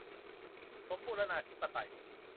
สมบูรณาธิปไตย